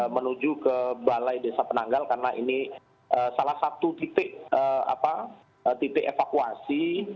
menuju ke balai desa penanggal karena ini salah satu titik evakuasi